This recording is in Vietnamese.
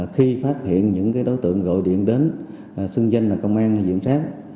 khi phát hiện những đối tượng gọi điện đến xưng danh là công an hay diện sát